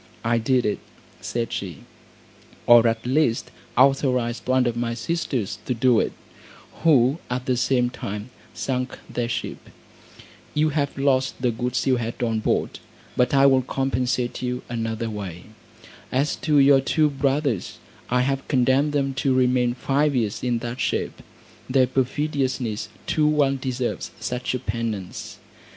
"I did it," said she, "or at least authorised one of my sisters to do it, who at the same time sunk their ship. You have lost the goods you had on board, but I will compensate you another way. As to your two brothers, I have condemned them to remain five years in that shape. Their perfidiousness too well deserves such a penance."